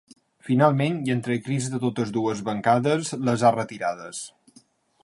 Finalment, i entre crits de totes dues bancades, les ha retirades.